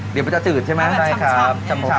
เดี๋ยวมันจะจืดใช่ไหมได้ครับหรือเปล่า